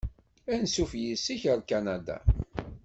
Ansuf yis-k ar Kanada!